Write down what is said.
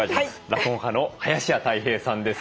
落語家の林家たい平さんです。